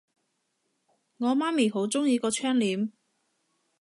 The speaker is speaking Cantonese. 我媽咪好鍾意個窗簾